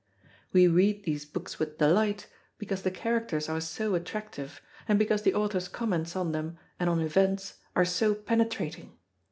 We read these books with delight because the characters are so attractive, and because the author's comments on them and on events are so penetrating.